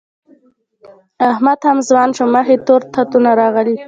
احمد هم ځوان شو، مخ یې تور خطونه راغلي